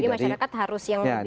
jadi masyarakat harus yang lebih